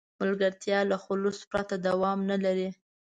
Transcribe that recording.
ملګرتیا له خلوص پرته دوام نه لري.